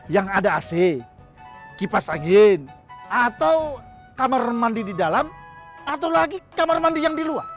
yang ada ac kipas angin atau kamar mandi di dalam atau lagi kamar mandi yang di luar